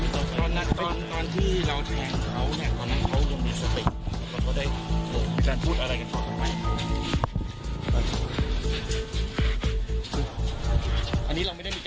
แต่อยากบอกอะไรก็พูดตามกันเลยครับพี่